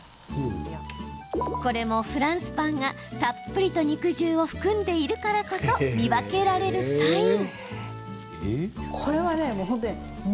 これもフランスパンがたっぷりと肉汁を含んでいるからこそ見分けられるサイン。